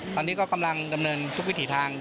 ตอนนี้ก็กำลังดำเนินทุกวิถีทาง